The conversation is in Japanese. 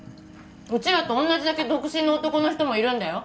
うちらと同じだけ独身の男の人もいるんだよ